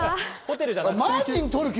マージン取る気？